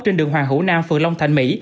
trên đường hoàng hữu nam phường long thạnh mỹ